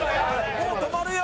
もう止まるよ。